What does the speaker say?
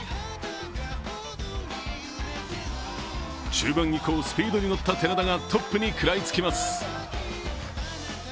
中盤以降、スピードにのった寺田がトップに食らいつきます。